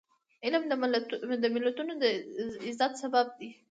علم د ملتونو د عزت سبب دی.